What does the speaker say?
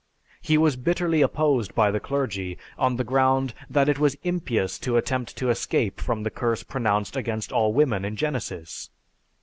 He was bitterly opposed by the clergy on the ground that it was impious to attempt to escape from the curse pronounced against all women in Genesis.